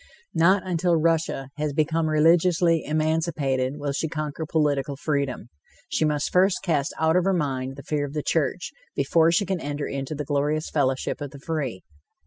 Not until Russia has become religiously emancipated, will she conquer political freedom. She must first cast out of her mind the fear of the church, before she can enter into the glorious fellowship of the free.